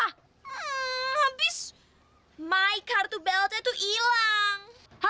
habis itu kartu bel saya itu hilang